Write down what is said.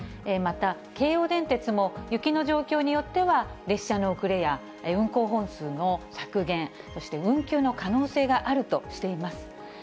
また京王電鉄も、雪の状況によっては、列車の遅れや、運行本数の削減、そして運休の可能性があるとしています。